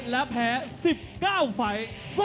และแพ้๑๙ไฟล์